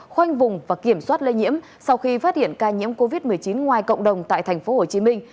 khoanh vùng và kiểm soát lây nhiễm sau khi phát hiện ca nhiễm covid một mươi chín ngoài cộng đồng tại tp hcm